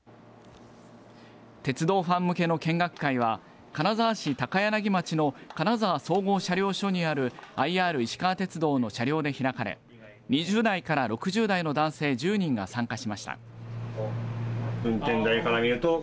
鉄道ファン向けの見学会は金沢市高柳町の金沢総合車両所にあるＩＲいしかわ鉄道の車両で開かれ２０代から６０代の男性１０人が参加しました。